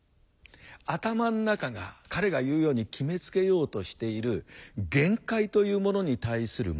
頭ん中が彼が言うように決めつけようとしている限界というものに対する魔よけ。